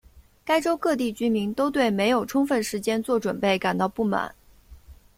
该州各地居民都对没有充分时间做准备感到不满。